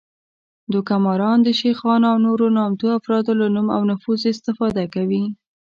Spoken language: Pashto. دوکه ماران د شیخانو او نورو نامتو افرادو له نوم او نفوذ استفاده کوي